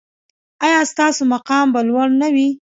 ایا ستاسو مقام به لوړ نه وي؟